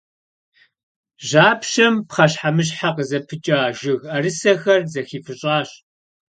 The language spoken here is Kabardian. Жьапщэм пхъэщхьэмыщхьэ къызыпыкӏэ жыг ӏэрысэхэр зэхифыщӏащ.